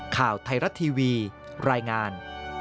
ข่าวไทยรัฐทีวีรายงาน